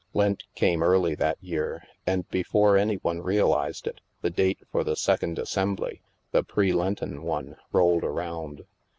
Lent came early that year, and before any one realized it, the date for the second Assembly — the pre Lenten one — rolled around.